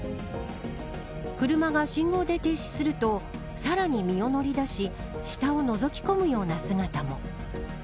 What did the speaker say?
車が信号で停止するとさらに身を乗り出し下をのぞき込むような姿も。